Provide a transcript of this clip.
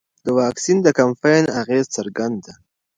د واکسین د کمپاین اغېز څرګند دی.